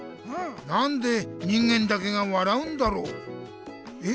なんで人間だけが笑うんだろう？え？